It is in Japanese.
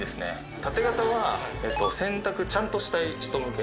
縦型は洗濯ちゃんとしたい人向け。